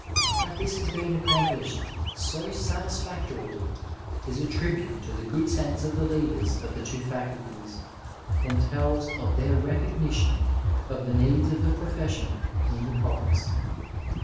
That this has been accomplished so satisfactorily is a tribute to the good sense of the leaders of the two faculties, and tells of their recognition of the needs of the profession in the pro vince.